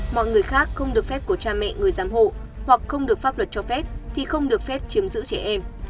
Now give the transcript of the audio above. mọi người khác không được phép của cha mẹ người giám hộ hoặc không được pháp luật cho phép thì không được phép chiếm giữ trẻ em